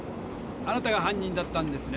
あなたが犯人だったんですね？